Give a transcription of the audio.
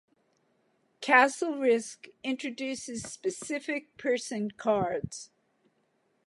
Castle Risk introduces specific person cards.